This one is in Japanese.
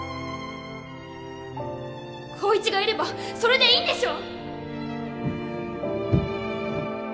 光一がいればそれでいいんでしょ！